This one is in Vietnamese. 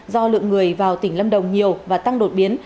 do lượng người vào tỉnh lâm đồng nhiều và tăng đột biến